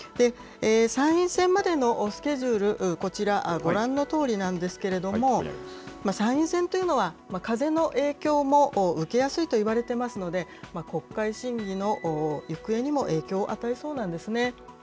参院選までのスケジュール、こちら、ご覧のとおりなんですけれども、参院選というのは、風の影響も受けやすいといわれてますので、国会審議の行方にも影響を与えそうなんですね。